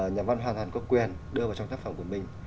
nhà văn hoàn toàn có quyền đưa vào trong tác phẩm của mình